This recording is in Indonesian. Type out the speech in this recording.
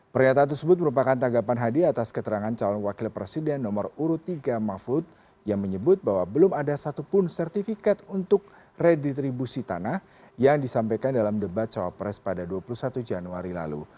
pernyataan tersebut merupakan tanggapan hadi atas keterangan calon wakil presiden nomor urut tiga mahfud yang menyebut bahwa belum ada satupun sertifikat untuk reditribusi tanah yang disampaikan dalam debat cawapres pada dua puluh satu januari lalu